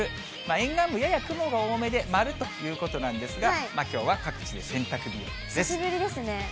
沿岸部、やや雲が多めで、〇ということなんですが、きょうは各地久しぶりですね。